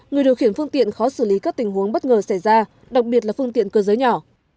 người điều khiển phương tiện khó xử lý các tình huống bất ngờ xảy ra đặc biệt là phương tiện cơ giới nhỏ